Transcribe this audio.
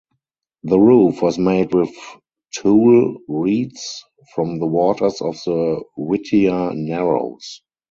The roof was made with tule reeds from the waters of the Whittier Narrows.